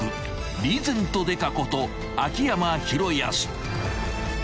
［リーゼント刑事こと秋山博康］